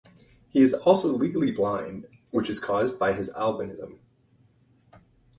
He is also legally blind which is caused by his albinism.